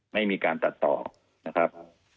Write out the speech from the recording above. ไม่มีการตัดต่อนะครับ